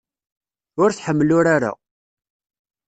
Ur tḥemmel urar-a.